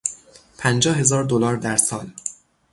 پنجاه هزار دلار در سال